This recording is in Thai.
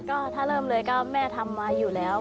ก็ถ้าเริ่มเลยก็แม่ทำไว้อยู่แล้ว